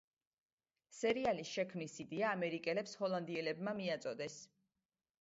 სერიალის შექმნის იდეა ამერიკელებს ჰოლანდიელებმა მიაწოდეს.